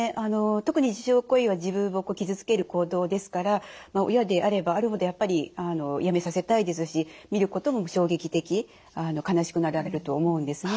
特に自傷行為は自分を傷つける行動ですから親であればあるほどやっぱりやめさせたいですし見ることも衝撃的悲しくなられると思うんですね。